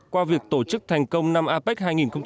qua việc tổ chức thành công năm apec hai nghìn một mươi bảy